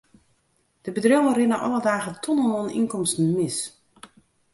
De bedriuwen rinne alle dagen tonnen oan ynkomsten mis.